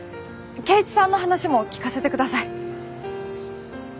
圭一さんの話も聞かせてください。